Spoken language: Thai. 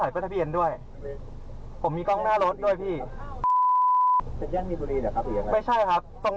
พี่ท่อขอครับ